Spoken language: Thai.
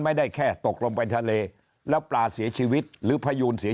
ไม่ได้แค่ตกลงไปทะเลแล้วปลาเสียชีวิตหรือพยูนเสีย